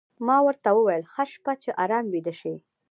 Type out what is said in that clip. ما ورته وویل: ښه شپه، چې ارام ویده شې.